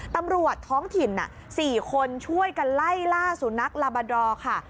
ตำรวจท้องถิ่น๔คนช่วยกันไล่ล่าสุนัขลาบาดอร์ค่ะ